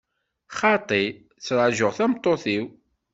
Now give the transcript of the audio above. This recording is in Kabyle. Xaṭi, ttrajuɣ tameṭṭut-iw.